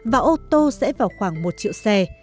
và ô tô sẽ vào khoảng một triệu xe